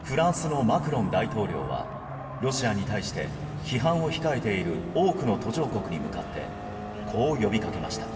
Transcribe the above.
フランスのマクロン大統領はロシアに対して批判を控えている多くの途上国に向かってこう呼びかけました。